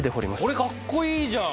これかっこいいじゃん！